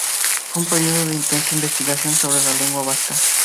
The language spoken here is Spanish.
Fue un período de intensa investigación sobre la lengua vasca.